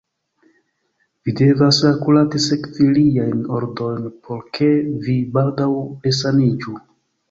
Vi devas akurate sekvi liajn ordonojn, por ke vi baldaŭ resaniĝu.